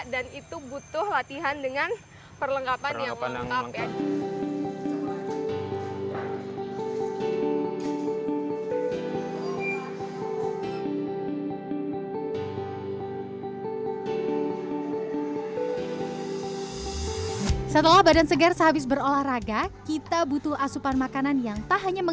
dan itu butuh latihan dengan perlengkapan yang lengkap ya